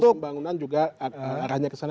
untuk pembangunan juga arahnya ke sana